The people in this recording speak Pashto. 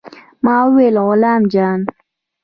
ما وويل غلام جان.